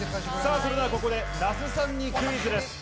それではここで那須さんにクイズです。